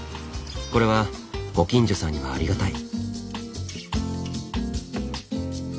これはご近所さんにはありがたい。